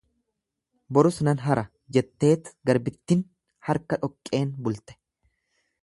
Borus nan hara jetteet garbittin harka dhoqqeen bulte.